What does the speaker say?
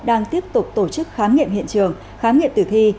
đang tiếp tục tổ chức khám nghiệm hiện trường khám nghiệm tử thi